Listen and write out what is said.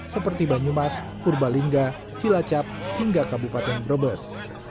seperti banyumas purbalingga cilacap hingga kabupaten brebes